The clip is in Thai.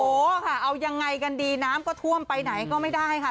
ค่ะเอายังไงกันดีน้ำก็ท่วมไปไหนก็ไม่ได้ค่ะ